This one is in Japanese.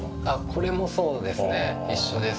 これもそうですね一緒です。